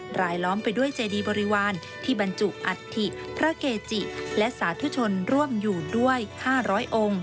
ลายล้อมไปด้วยเจดีบริวารที่บรรจุอัฐิพระเกจิและสาธุชนร่วมอยู่ด้วย๕๐๐องค์